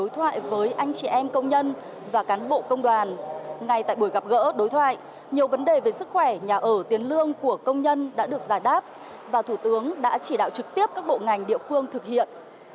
ngay tại buổi gặp gỡ đối thoại nhiều vấn đề về sức khỏe nhà ở tiền lương của công nhân đã được giải đáp và thủ tướng đã chỉ đạo trực tiếp các bộ ngành địa phương thực hiện